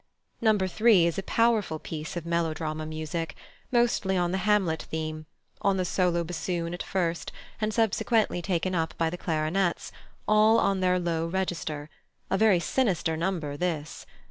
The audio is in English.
No. 3 is a powerful piece of melodrama music, mostly on the Hamlet theme, on the solo bassoon at first, and subsequently taken up by the clarinets, all on their low register: a very sinister number this.